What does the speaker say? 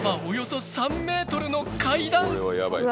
およそ３ｍの階段うわ